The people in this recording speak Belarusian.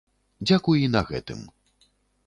Дзякуй і на гэтым!